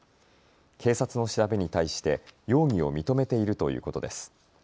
警察の調べに対して容疑を認めているということです。